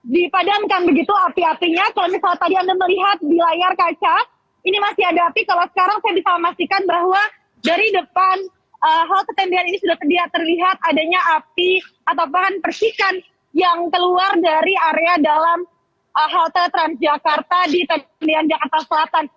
dipadamkan begitu api apinya kalau misalnya tadi anda melihat di layar kaca ini masih ada api kalau sekarang saya bisa memastikan bahwa dari depan halte tendian ini sudah terlihat adanya api atau bahan persikan yang keluar dari area dalam halte transjakarta di tendian jakarta selatan